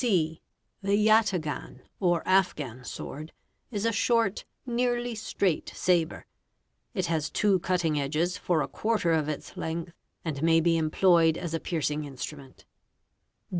' (c) The yataghan or Afghan sword is a short, nearly straight sabre. Lt as two cutting edges for a quarter of its length and may be employed | 'a piercing instrument.